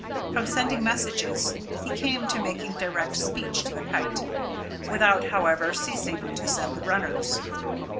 From sending messages he came to making direct speech to the kite without, however, ceasing to send the runners.